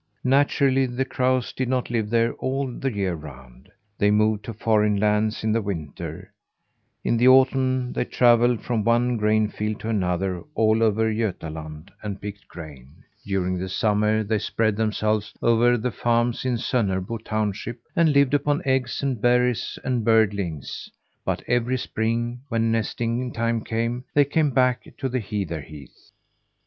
Naturally, the crows did not live there all the year round. They moved to foreign lands in the winter; in the autumn they travelled from one grain field to another all over Götaland, and picked grain; during the summer, they spread themselves over the farms in Sonnerbo township, and lived upon eggs and berries and birdlings; but every spring, when nesting time came, they came back to the heather heath.